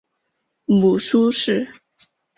母舒氏。